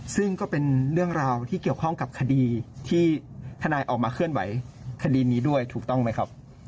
ซึ่งก็เป็นเรื่องราวที่เกี่ยวข้องกับคดีที่ทนายออกมาเคลื่อนไหวคดีนี้ด้วยถูกต้องไหมครับ